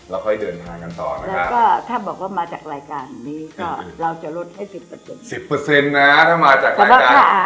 แล้วค่อยเดินทางกันต่อนะครับ